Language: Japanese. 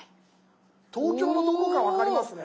東京のどこか分かりますね。